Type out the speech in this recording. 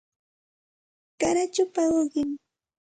Qarachupa uqim